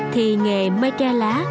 thì nghề mây tre lá